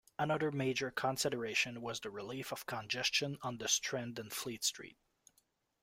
Another major consideration was the relief of congestion on the Strand and Fleet Street.